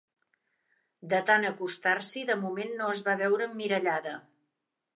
De tan acostar-s'hi de moment no es va veure emmirallada